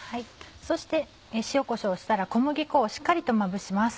そして塩こしょうをしたら小麦粉をしっかりとまぶします。